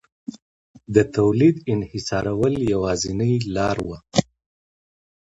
د تولید انحصارول یوازینۍ لار وه